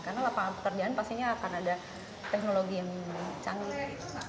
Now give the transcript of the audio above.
karena lapangan pekerjaan pastinya akan ada teknologi yang canggih